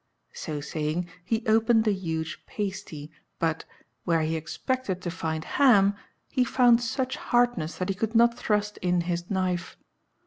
So saying, he opened the huge pasty, but, where he expected to find ham, he found such hardness that he could not thrust in his knife.